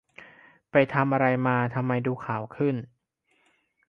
ไปทำอะไรมาทำไมดูขาวขึ้น